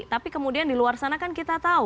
tapi kemudian di luar sana kan kita tahu